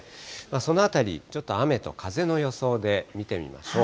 そのあたり、ちょっと雨と風の予想で見てみましょう。